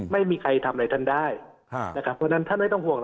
ไม่มีใครทำอะไรท่านได้ดังนั้นท่านไม่ต้องห่วง